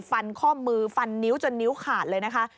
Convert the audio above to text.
ข้อมือฟันนิ้วจนนิ้วขาดเลยนะคะ